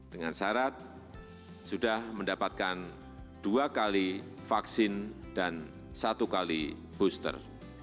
dengan syarat sudah mendapatkan dua kali vaksin dan satu kali booster